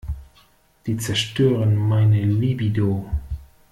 Die zerstören meine Libido.